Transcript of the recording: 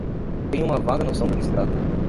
Tenho uma vaga noção do que se trata.